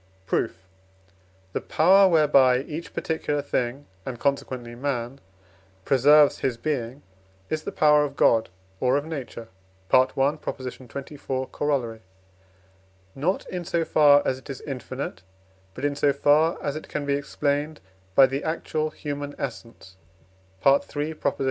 Proof. The power, whereby each particular thing, and consequently man, preserves his being, is the power of God or of Nature (I. xxiv. Coroll.); not in so far as it is infinite, but in so far as it can be explained by the actual human essence (III.